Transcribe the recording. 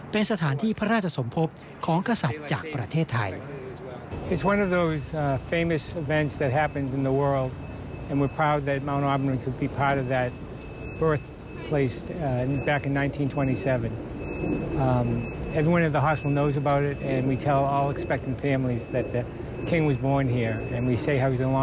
เป็นสถานที่พระราชสมภพของกษัตริย์จากประเทศไทย